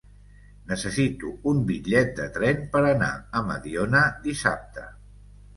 Necessito un bitllet de tren per anar a Mediona dissabte.